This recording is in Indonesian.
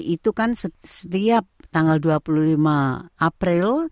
itu kan setiap tanggal dua puluh lima april